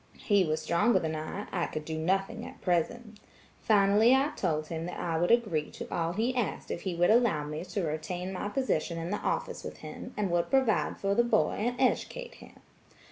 He was stronger than I; I could do nothing at present. Finally I told him that I would agree to all he asked if he would allow me to retain my position in the office with him, and would provide for the boy and educate him.